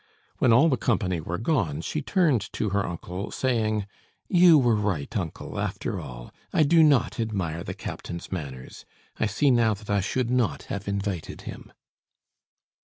When all the company were gone, she turned to her uncle, saying: "You were right, uncle, after all. I do not admire the captain's manners; I see now that I should not have invited him."